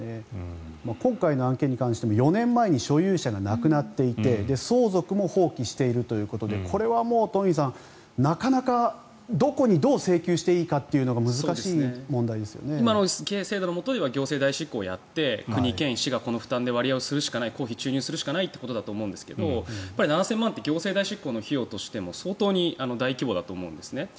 今回の案件に関しても４年前に所有者が亡くなっていて相続も放棄しているということでこれはもう東輝さん、なかなかどこにどう請求していいかが今の制度のもとでは行政代執行をやって国、県、市がこの割合で割合をするしかない公費注入するしかないということだと思うんですが７０００万って行政代執行の費用としても相当に大規模だと思うんですね。